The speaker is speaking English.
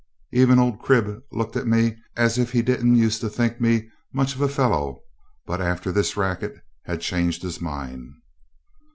Even old Crib looked at me as if he didn't use to think me much of a fellow, but after this racket had changed his mind.